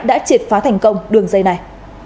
đã triệt phá thành công đường dây này